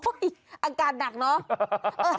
โอ้ยยยยอากาศหนักเนาะ